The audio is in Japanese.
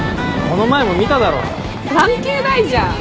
関係ないじゃん。